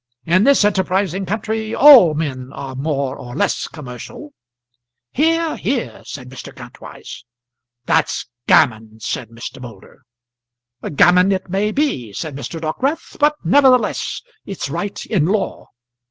In this enterprising country all men are more or less commercial." "Hear! hear!" said Mr. Kantwise. "That's gammon," said Mr. Moulder. "Gammon it may be," said Mr. Dockwrath, "but nevertheless it's right in law.